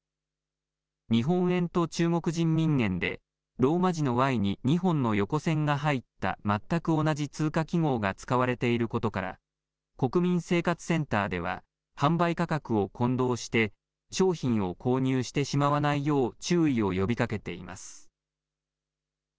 日本円と中国人民元でローマ字のＹに２本の横線が入った全く同じ通貨記号が使われていることから国民生活センターでは販売価格を混同して商品を購入してしまわないよう注意を呼びかけています。